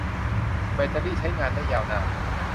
แบตเตอรีใช้งานได้ยาวนาน